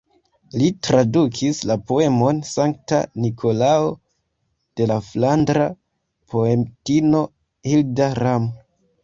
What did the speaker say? Li tradukis la poemon "Sankta Nikolao" de la flandra poetino Hilda Ram.